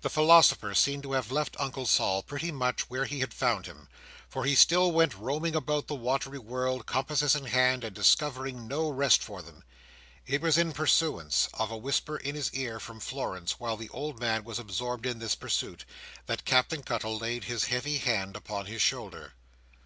The philosopher seemed to have left Uncle Sol pretty much where he had found him, for he still went roaming about the watery world, compasses in hand, and discovering no rest for them. It was in pursuance of a whisper in his ear from Florence, while the old man was absorbed in this pursuit, that Captain Cuttle laid his heavy hand upon his shoulder.